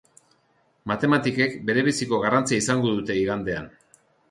Matematikek berebiziko garrantzia izango dute igandean.